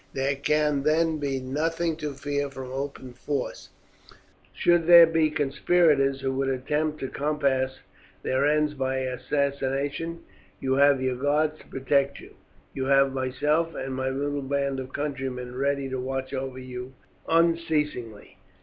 There can then be nothing to fear from open force. Should there be conspirators who would attempt to compass their ends by assassination, you have your guards to protect you. You have myself and my little band of countrymen ready to watch over you unceasingly."